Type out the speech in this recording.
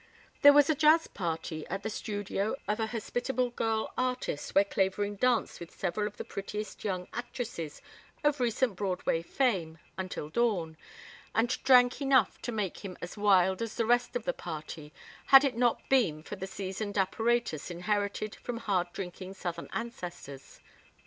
There was a jazz party at the studio of a hospitable girl artist where Clavering danced with several of the prettiest young actresses of recent Broadway fame until dawn, and drank enough to make him as wild as the rest of the party had it not been for the seasoned apparatus inherited from hard drinking Southern ancestors.